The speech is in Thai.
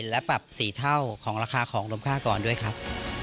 และปรับ๔เท่าของราคาของรวมค่าก่อนด้วยครับ